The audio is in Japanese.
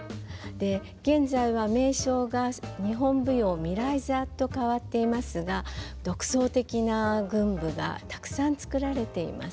現在は名称が日本舞踊未来座と変わっていますが独創的な群舞がたくさん作られています。